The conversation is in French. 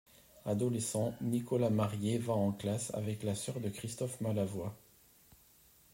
Adolescent, Nicolas Marié va en classe avec la sœur de Christophe Malavoy.